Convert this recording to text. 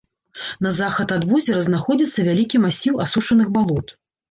На захад ад возера знаходзіцца вялікі масіў асушаных балот.